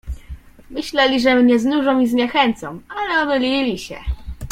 "Myśleli, że mnie znużą i zniechęcą, ale omylili się."